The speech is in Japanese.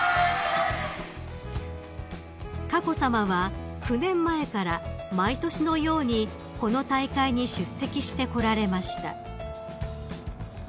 ［佳子さまは９年前から毎年のようにこの大会に出席してこられました］